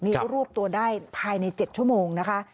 นี่ก็รวบตัวได้ภายใน๗ชั่วโมงนะคะ